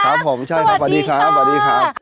ครับผมใช่ครับพอดีครับต้องการแบบอยู่ใช่มั้ยคะ